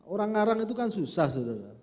orang ngarang itu kan susah sebenarnya